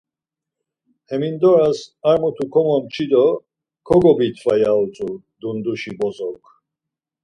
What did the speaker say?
Hemindoras ar mutu komomçi do kogobitva ya utzu Dunduşi bozok.